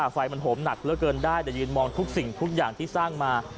ไฟมันโหมหนักเหลือเกินได้แต่ยืนมองทุกสิ่งทุกอย่างที่สร้างมา